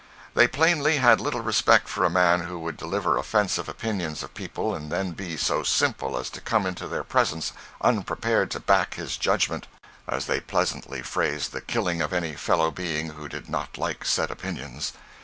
They plainly had little respect for a man who would deliver offensive opinions of people and then be so simple as to come into their presence unprepared to "back his judgment," as they pleasantly phrased the killing of any fellow being who did not like said opinions.